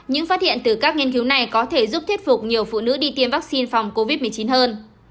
những phát hiện từ các nghiên cứu này có thể giúp thuyết phục nhiều phụ nữ đi tiêm vaccine phòng covid một mươi chín hơn